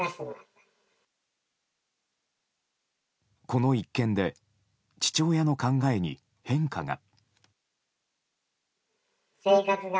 この一件で父親の考えに変化が。